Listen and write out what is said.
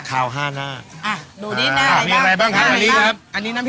ขาว๕หน้า